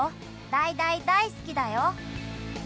大大大好きだよ。